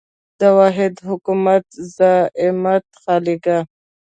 د واحد حکومتي زعامت خالیګاه.